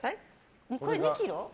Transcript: これ２ｋｇ？